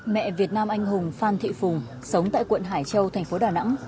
mẹ việt nam anh hùng phan thị phùng sống tại quận hải châu thành phố đà nẵng